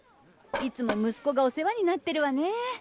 いつも息子がお世話になってるわねぇ。